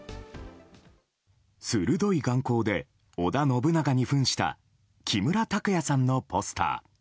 鋭い眼光で織田信長に扮した木村拓哉さんのポスター。